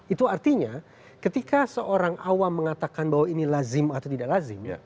itu artinya ketika seorang awam mengatakan bahwa ini lazim atau tidak lazim